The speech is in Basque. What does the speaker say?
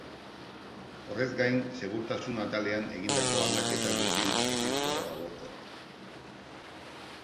Horrez gain, segurtasun atalean egindako aldaketa guztien erregistroa dago hor.